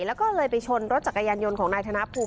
แล้วก็เลยไปชนรถจักรยานยนต์ของนายธนภูมิ